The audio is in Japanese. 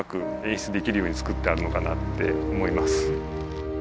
しゅつできるように作ってあるのかなって思います。